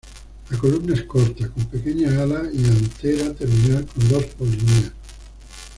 La columna es corta, con pequeñas alas, y antera terminal con dos polinias.